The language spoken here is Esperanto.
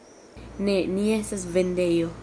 Ne, ni estas vendejo.